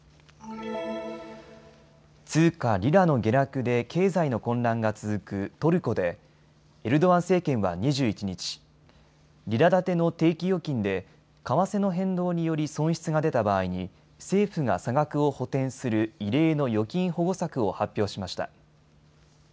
通貨リラの下落で経済の混乱が続くトルコでエルドアン政権は２１日、リラ建ての定期預金で為替の変動により損失が出た場合に政府が差額を補填する異例の預金保護策を発表しました。